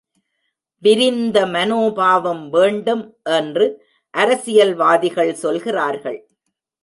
விரிந்த மனோபாவம் வேண்டும் என்று அரசியல்வாதிகள் சொல்கிறார்கள்.